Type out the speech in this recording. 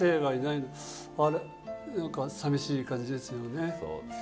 あれなんかさみしい感じですよね。